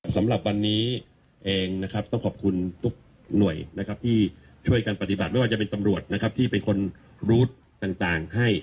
สำหรับวันนี้เองนะครับต้องขอบคุณทุกหน่วยนะครับที่ช่วยกันปฏิบัติไม่ว่าจะเป็นตำรวจนะครับที่เป็นคนรู้ต่างให้